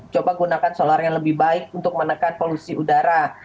coba gunakan solar yang lebih baik untuk menekan polusi udara